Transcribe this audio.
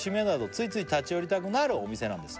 「ついつい立ち寄りたくなるお店なんです」